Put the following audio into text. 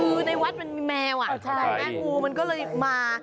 คือในวัดมีแมวเมื่อกูก็เลยมา